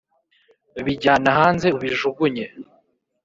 bijyana hanze ubijugunye